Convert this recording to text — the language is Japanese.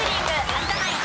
有田ナイン